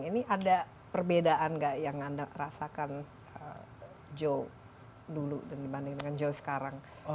ini ada perbedaan nggak yang anda rasakan joe dulu dibanding dengan joe sekarang